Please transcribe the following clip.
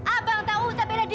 abang tahu saya pilih dia